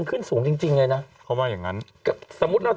มันขึ้นสูงจริงจริงไงน่ะเขาว่าอย่างนั้นกับสมมุติเรา